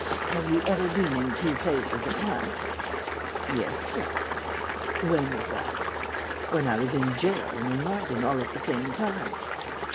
"'Have you ever been in two places at once?' "'Yes, sir.' "'When was that?' "'When I was in jail and in London all at the same time.'